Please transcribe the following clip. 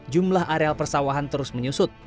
jumlah areal persawahan terus menyusut